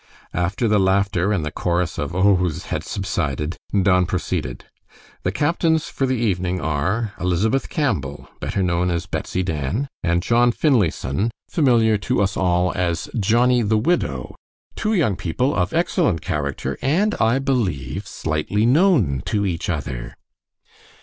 After the laughter and the chorus of "Ohs" had subsided, Don proceeded: "The captains for the evening are, Elizabeth Campbell, better known as 'Betsy Dan,' and John Finlayson, familiar to us all as 'Johnnie the Widow,' two young people of excellent character, and I believe, slightly known to each other."